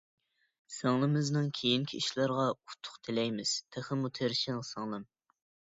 سىڭلىمىزنىڭ كېيىنكى ئىشلىرىغا ئۇتۇق تىلەيمىز، تېخىمۇ تىرىشىڭ سىڭلىم!